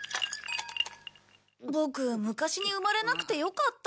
ボク昔に生まれなくてよかった。